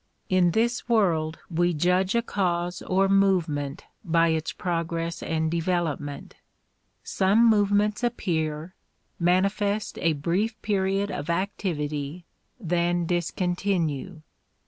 In this world we judge a cause or movement by its progress and development. Some movements appear, manifest a brief period of activity, then discontinue.